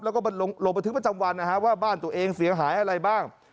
และก็โบถึงประจำวันว่าบ้านตัวเองเสียหายอะไรบ้าง